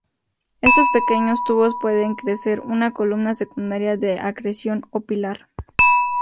Estos pequeños tubos pueden crecer una columna secundaria de acreción o pilar.